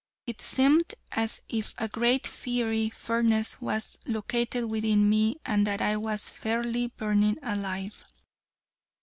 It seemed as if a great fiery furnace was located within me and that I was fairly burning alive.